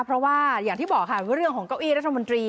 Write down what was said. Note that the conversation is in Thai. เพราะว่าอย่างที่บอกค่ะเรื่องของเก้าอี้รัฐมนตรี